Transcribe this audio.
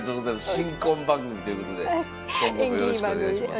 新婚番組ということで今後もよろしくお願いします。